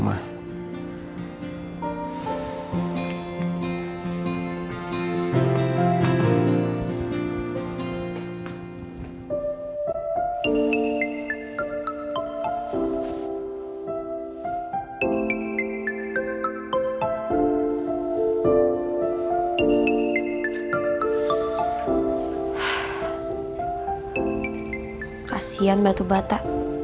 kasihan batu bata